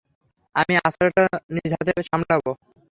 আমি আচারটা নিজ হাতে সামলাব।